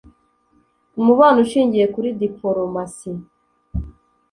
umubano ushingiye kuri dipolomasi.